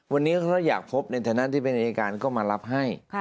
วันนี้เขาอยากพบในฐานะที่เป็นอายการก็มารับให้